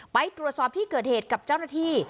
ไปตรวจสอบที่เกิดเหตุกับเจ้าหน้าที่